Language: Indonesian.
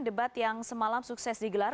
debat yang semalam sukses digelar